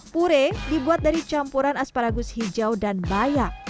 puree dibuat dari campuran asparagus hijau dan bayam